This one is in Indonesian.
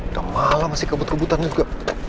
udah malah masih kebut kebutan juga